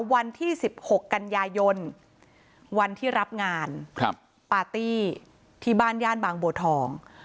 วันที่๑๖กันยายนวันที่รับงานปาร์ตี้ที่บ้านย่านบางบัวทอง